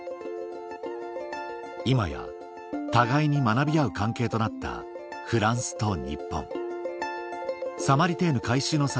今や互いに学び合う関係となったフランスと日本サマリテーヌ改修の際